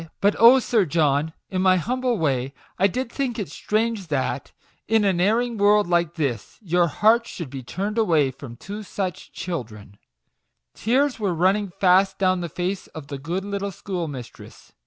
" But oh, Sir John ! in my humble way I did think it strange that, in an erring world like this, your heart should be turned from two such children \" Tears were running fast down the face of the good little schoolmistress.